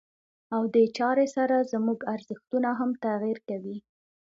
او دې چارې سره زموږ ارزښتونه هم تغيير کوي.